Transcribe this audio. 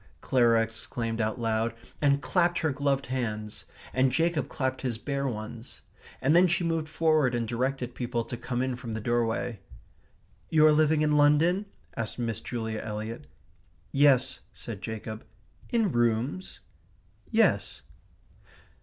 Clara exclaimed out loud, and clapped her gloved hands; and Jacob clapped his bare ones; and then she moved forward and directed people to come in from the doorway. "You are living in London?" asked Miss Julia Eliot. "Yes," said Jacob. "In rooms?" "Yes."